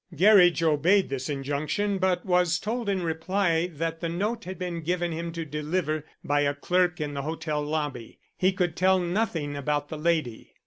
Gerridge obeyed this injunction, but was told in reply that the note had been given him to deliver by a clerk in the hotel lobby. He could tell nothing about the lady.